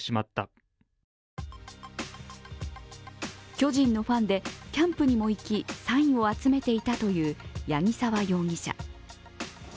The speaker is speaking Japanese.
巨人のファンでキャンプにも行きサインを集めていたという八木沢容疑者。